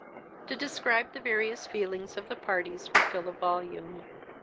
To describe the various feelings of the parties would fill a volume.